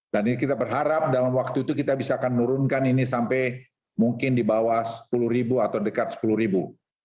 dan ini kita berharap dalam waktu itu kita bisa akan nurunkan ini sampai mungkin di bawah sepuluh ribu atau dekat sepuluh ribu